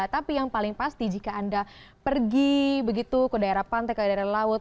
tapi yang paling pasti jika anda pergi begitu ke daerah pantai ke daerah laut